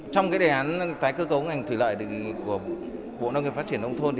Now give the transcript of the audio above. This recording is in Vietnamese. trong đề án tái cơ cấu ngành thủy lợi của bộ nông nghiệp phát triển nông thôn